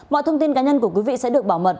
mọi thông tin cá nhân của quý vị sẽ được bảo mật